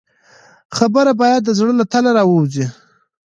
خبره باید د زړه له تله راووځي.